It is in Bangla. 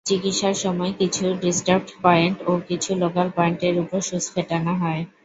চিকিৎসার সময় কিছু ‘ডিস্টার্বড পয়েন্ট’ ও কিছু ‘লোকাল পয়েন্ট’-এর উপর সুচ ফোটানো হয়।